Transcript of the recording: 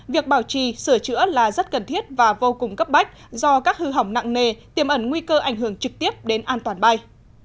việc bảo trì sửa chữa là rất cần thiết và vô cùng cấp bách do các hư hỏng nặng nề tiềm ẩn nguy cơ ảnh hưởng trực tiếp đến an toàn bay